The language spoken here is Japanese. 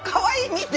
見て。